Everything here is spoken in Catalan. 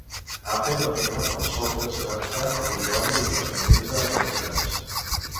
Apple afirma que el software s’adapta a l'usuari i personalitza els resultats.